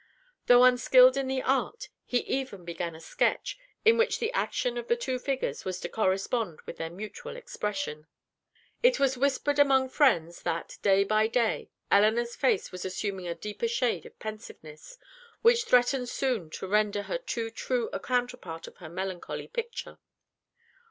Though unskilled in the art, he even began a sketch, in which the action of the two figures was to correspond with their mutual expression. It was whispered among friends, that, day by day, Elinor's face was assuming a deeper shade of pensiveness, which threatened soon to render her too true a counterpart of her melancholy picture.